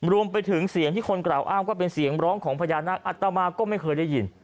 รวมไปถึงเสียงที่คนกล่าวอ้างว่าเป็นเสียงร้องของพญานาคอัตมาก็ไม่เคยได้ยิน